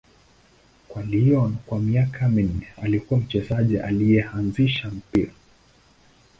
Kwa Lyon kwa miaka minne, alikuwa mchezaji aliyeanzisha mpira.